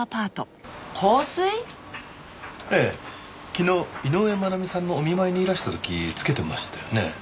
昨日井上真奈美さんのお見舞いにいらした時付けてましたよね？